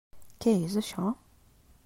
Què és això?